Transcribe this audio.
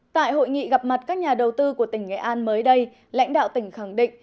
tại hội nghị gặp mặt các nhà đầu tư của tỉnh nghệ an mới đây lãnh đạo tỉnh khẳng định